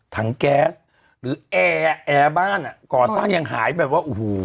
ถังแก๊สหรือแอร์แอร์บ้านอ่ะก่อสร้างยังหายแบบว่าโอ้โห